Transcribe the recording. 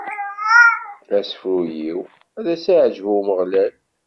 Asefru-w ad as-iɛǧeb i Umeɣlal.